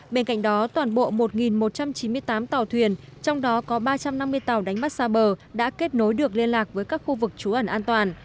bên cạnh đó toàn bộ một một trăm chín mươi tám tàu thuyền trong đó có ba trăm năm mươi tàu đánh bắt xa bờ đã kết nối được liên lạc với các khu vực trú ẩn an toàn